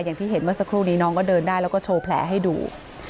อย่างที่เห็นเมื่อสักครู่นี้น้องก็เดินได้แล้วก็โชว์แผลให้ดู